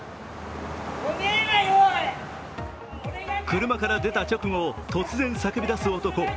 車から出た直後、突然、叫び出す男。